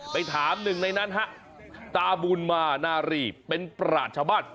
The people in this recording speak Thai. ไปถามหนึ่งในนั้นฮะตาบุญมานารีเป็นปราศชาวบ้าน